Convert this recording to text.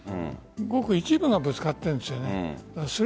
ごく一部がぶつかっているんです。